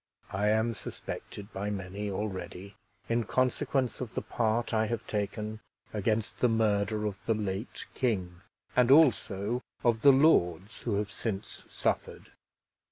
I am suspected by many already, in consequence of the part I have taken against the murder of the late king, and also of the lords who have since suffered.